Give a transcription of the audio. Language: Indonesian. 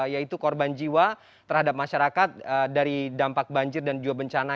yaitu korban jiwa terhadap masyarakat dari dampak banjir dan juga bencana